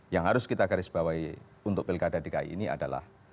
yang harus kita garisbawahi untuk pilkada dki ini adalah